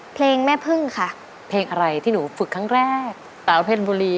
เพลงแม่พึ่งค่ะเพลงอะไรที่หนูฝึกครั้งแรกสาวเพชรบุรี